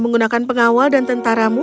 menggunakan pengawal dan tentaramu